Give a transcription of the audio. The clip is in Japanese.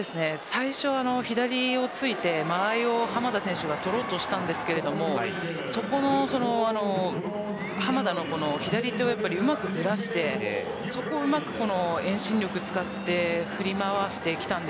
最初の左をついて間合いを濱田選手が取ろうとしましたがそこの濱田の左手をうまくずらしてそこをうまく遠心力を使って振り回してきました。